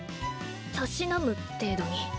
たしなむ程度に。